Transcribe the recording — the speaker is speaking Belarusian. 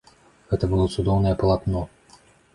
Гэта было цудоўнае палатно.